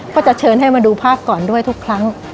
ก็จะเชิญให้มาดูภาพก่อนด้วยทุกครั้ง